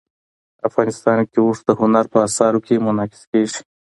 افغانستان کې اوښ د هنر په اثار کې منعکس کېږي.